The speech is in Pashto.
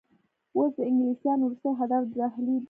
اوس د انګلیسیانو وروستی هدف ډهلی وو.